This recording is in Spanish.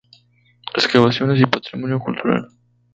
Excavaciones y Patrimonio Cultural.